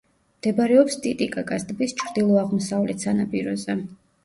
მდებარეობს ტიტიკაკას ტბის ჩრდილო-აღმოსავლეთ სანაპიროზე.